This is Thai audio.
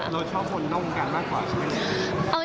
เราชอบคนนอกวงการมากกว่าใช่ไหม